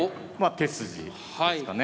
手筋ですかね。